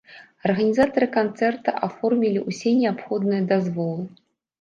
Арганізатары канцэрта аформілі ўсе неабходныя дазволы.